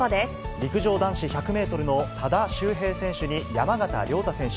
陸上男子１００メートルの多田修平選手に山縣亮太選手。